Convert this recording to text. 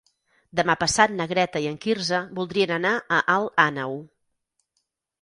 Demà passat na Greta i en Quirze voldrien anar a Alt Àneu.